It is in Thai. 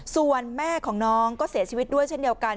ส่วนแม่ของน้องก็เสียชีวิตด้วยเช่นเดียวกัน